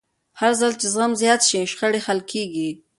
هرځل چې زغم زیات شي، شخړې حل کېږي.